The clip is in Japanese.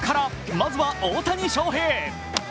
まずは大谷翔平。